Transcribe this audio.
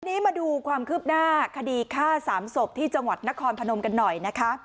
ทีนี้มาดูความคืบหน้าคดีฆ่าสามศพที่จังหวัดนครพนมกันหน่อยนะคะ